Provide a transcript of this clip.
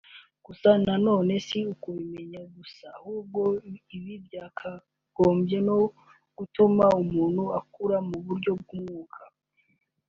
gusa na none si ukubimenya gusa ahubwo ibi byakagombye no gutuma umuntu akura mu buryo bw’umwuka